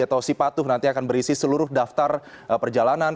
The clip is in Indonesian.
atau sipatuh nanti akan berisi seluruh daftar perjalanan